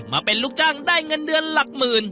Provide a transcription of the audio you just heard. มาเป็นลูกจ้างได้เงินเดือนหลักหมื่น